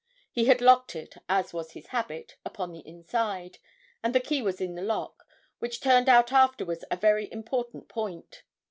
He had locked it, as was his habit, upon the inside, and the key was in the lock, which turned out afterwards a very important point.